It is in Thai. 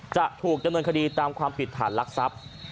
จะถูกดำเนินคดีตามความผิดฐานลักทรัพย์